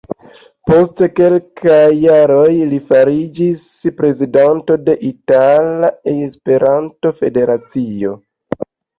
Post kelkaj jaroj, li fariĝis prezidanto de Itala Esperanto-Federacio.